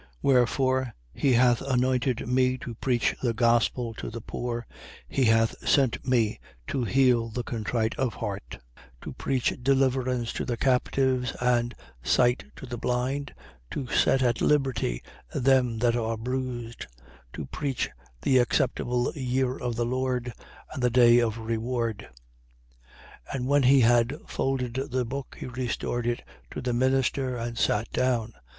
Wherefore he hath anointed me to preach the gospel to the poor, he hath sent me to heal the contrite of heart, 4:19. To preach deliverance to the captives and sight to the blind, to set at liberty them that are bruised, to preach the acceptable year of the Lord and the day of reward. 4:20. And when he had folded the book, he restored it to the minister and sat down.